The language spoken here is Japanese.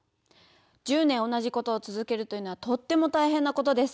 １０年同じことを続けるというのはとっても大変なことです。